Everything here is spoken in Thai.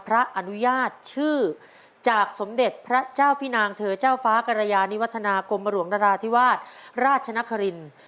อนุญาตชื่อจากสมเด็จพระเจ้าพี่นางเธอเจ้าฟ้ากรยานิวัฒนากรมหลวงนราธิวาสราชนคริน